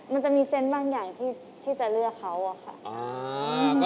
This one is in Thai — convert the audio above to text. มันจะมีเซนต์บางอย่างที่จะเลือกเขาอะค่ะ